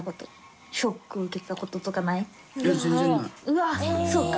うわぁそうか。